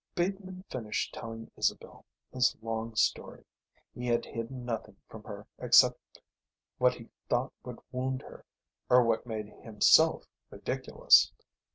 Bateman finished telling Isabel his long story. He had hidden nothing from her except what he thought would wound her or what made himself ridiculous.